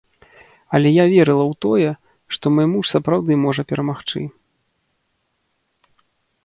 Але я верыла ў тое, што мой муж сапраўды можа перамагчы.